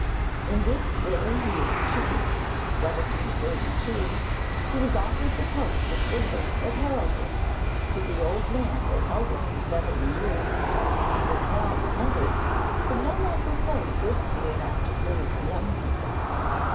In this very year too, 1732, he was offered the post of fiddler at Harrogate, for the old man who had held it for seventy years, and was now a hundred, could no longer play briskly enough to please the young people.